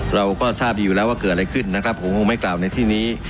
เราก็ทราบดีอยู่แล้วว่าเกิดอะไรขึ้นนะครับผมคงไม่กล่าวในที่นี้